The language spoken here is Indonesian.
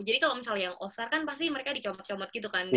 jadi kalo misalnya yang all star kan pasti mereka dicomot comot gitu kan